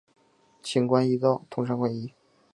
轻关易道，通商宽衣。